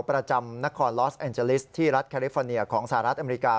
ประจำนครลอสแอนเจลิสที่รัฐแคลิฟอร์เนียของสหรัฐอเมริกา